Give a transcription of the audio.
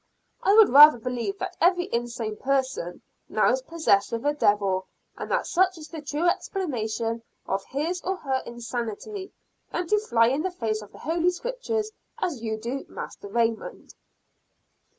I would rather believe that every insane person now is possessed with a devil, and that such is the true explanation of his or her insanity, than to fly in the face of the holy scriptures as you do, Master Raymond."